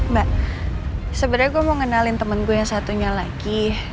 mbak sebenarnya gue mau ngenalin temen gue yang satunya lagi